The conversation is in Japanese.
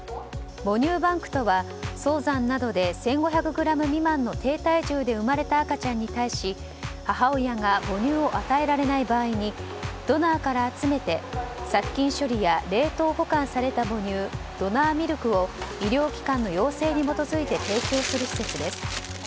母乳バンクとは早産などで１５００ｇ未満の低体重で生まれた赤ちゃんに対し母親が母乳を与えられない場合にドナーから集めて殺菌処理や冷凍保管された母乳ドナーミルクを医療機関の要請に基づいて提供する施設です。